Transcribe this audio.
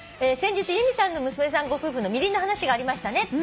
「先日由美さんの娘さんご夫婦のみりんの話がありましたね」